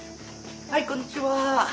はいこんにちは！